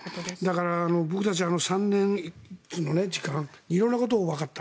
だから、僕たち３年もの時間色んなことがわかった。